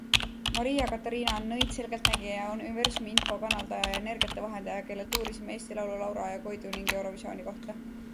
Maria Katariina on nõid, selgeltnägija, universumi info kanaldaja ja energiate vahendaja, kellelt uurisime Eesti laulu, Laura ja Koidu ning Eurovisiooni kohta.